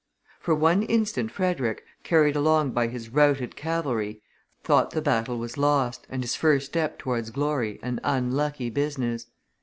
For one instant Frederick, carried along by his routed cavalry, thought the battle was lost, and his first step towards glory an unlucky business.